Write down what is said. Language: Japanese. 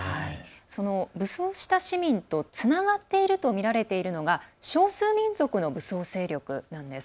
その武装した市民とつながっているとみられているのが少数民族の武装勢力なんです。